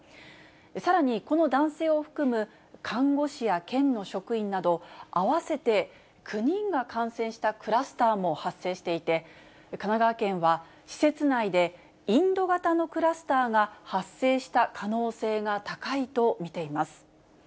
さらにこの男性を含む看護師や県の職員など、合わせて９人が感染したクラスターも発生していて、神奈川県は、施設内でインド型のクラスターが発生した可能性が高いと見ています。